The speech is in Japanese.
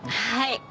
はい。